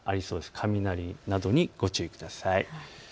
雷などにご注意ください。